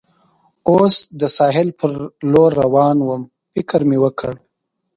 اوس د ساحل پر لور روان ووم، فکر مې وکړ.